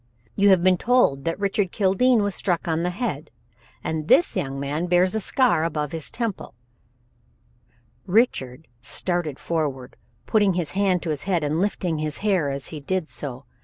You have been told that Richard Kildene was struck on the head and this young man bears the scar above his temple " Richard started forward, putting his hand to his head and lifting his hair as he did so.